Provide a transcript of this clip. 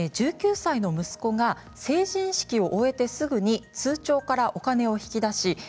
１９歳の息子が成人式を終えてすぐに通帳からお金を引き出し